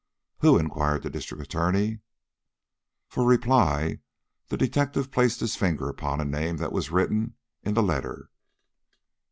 "Who?" inquired the District Attorney. For reply the detective placed his finger upon a name that was written in the letter.